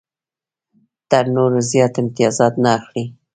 تر نورو زیات امتیازات نه اخلي.